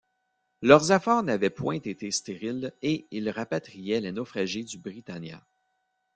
Leurs efforts n’avaient point été stériles et ils rapatriaient les naufragés du Britannia.